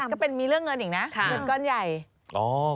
ก็๗๘ก็มีเรื่องเงินอีกนะหรือก้อนใหญ่ก็จะน่าทำ